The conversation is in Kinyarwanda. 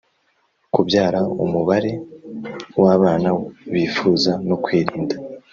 kubyara umubare w abana bifuza no kwirinda